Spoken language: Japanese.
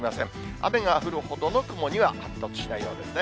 雨が降るほどの雲には発達しないようですね。